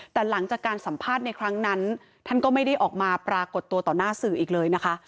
แต่หลังจากการสัมภาษณ์ในครั้งนั้นท่านก็ไม่ได้ออกมาปรากฏตัวต่อหน้าสื่ออีกเลยนะคะ